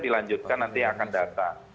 dilanjutkan nanti akan data